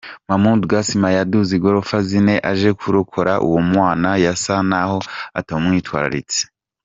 Mamoudou Gassama yaduze igorofa zine aja kurokora uwo mwana yasa naho atawumwitwararitse.